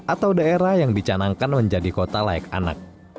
atau daerah yang dicanangkan menjadi kota